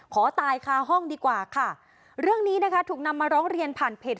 ขอตายคาห้องดีกว่าค่ะเรื่องนี้นะคะถูกนำมาร้องเรียนผ่านเพจ